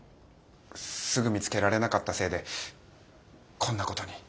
すぐ見つけられなかったせいでこんなことに。